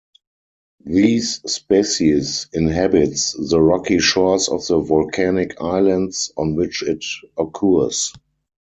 This species inhabits the rocky shores of the volcanic islands on which it occurs.